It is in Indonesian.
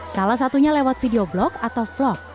salah satunya lewat video blog atau vlog